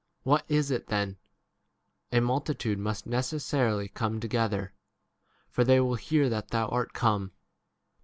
22 What is it then ? a multitude must necessarily come together; for they will hear that thou art 23 come.